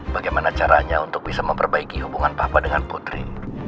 bagaimana caranya untuk bisa memperbaiki hubungan papa dengan putri